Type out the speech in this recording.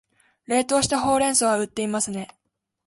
冷凍したほうれん草は売っていますね